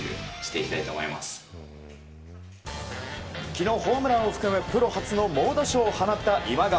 昨日ホームランを含むプロ初の猛打賞を放った今川。